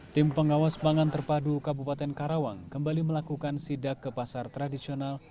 tim pengawas pangan terpadu kabupaten karawang kembali melakukan sidak ke pasar tradisional